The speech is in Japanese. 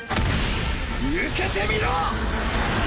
受けてみろ！！